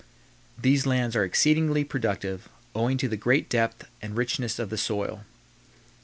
These lands are exceedingly productive, owing to the great depth and richness of the soil.